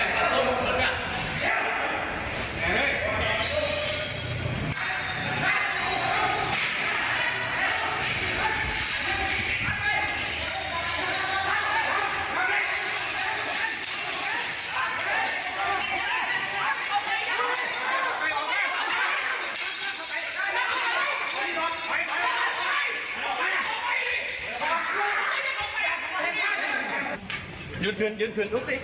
แม่งมาก